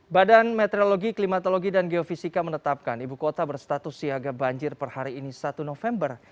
badan meteorologi klimatologi dan geofisika menetapkan ibu kota berstatus siaga banjir per hari ini satu november